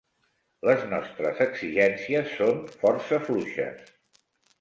Les nostres exigències són força fluixes.